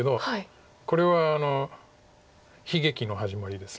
これは悲劇の始まりです。